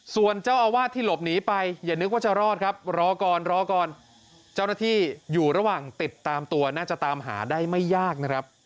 ส่วนเจ้าอาวาสที่หลบหนีไปอย่านึกว่าจะรอดครับรอก่อนรอก่อนเจ้าหน้าที่อยู่ระหว่างติดตามตัวน่าจะตามหาได้ไม่ยากนะครับ